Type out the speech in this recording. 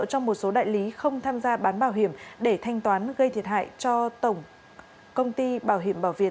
cho một số đại lý không tham gia bán bảo hiểm để thanh toán gây thiệt hại cho tổng công ty bảo việt